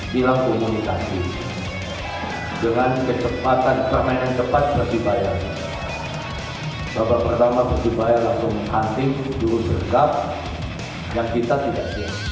persebaya langsung hantik dulu bergab dan kita tidak siap